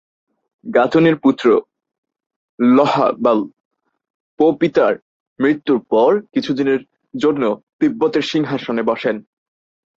গা-তুনের পুত্র ল্হা-বাল-পো পিতার মৃত্যুর পর কিছুদিনের জন্য তিব্বতের সিংহাসনে বসেন।